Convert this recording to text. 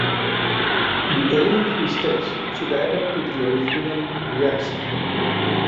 The elementary steps should add up to the original reaction.